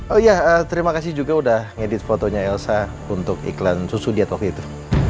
oh iya terima kasih juga udah ngedit fotonya elsa untuk iklan susudiat waktu itu